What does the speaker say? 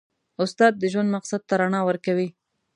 استاد د ژوند مقصد ته رڼا ورکوي.